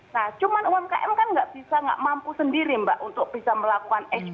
nah cuma umkm kan nggak bisa nggak mampu sendiri mbak untuk bisa melakukan ekspor